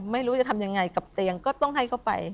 ไม่รู้จะทำยังไงกับเตียงก็ต้องให้เขาไป